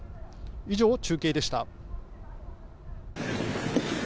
以上中継でした。